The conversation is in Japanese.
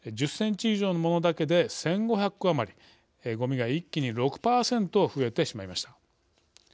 １０ｃｍ以上のものだけで１５００個余りごみが一気に６％増えてしまいました。